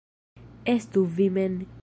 Estu vi mem.